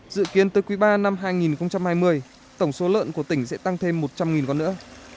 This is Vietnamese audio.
dự kiến tới quý ba năm hai nghìn hai mươi tổng số lợn của tỉnh sẽ tăng thêm một trăm linh con nữa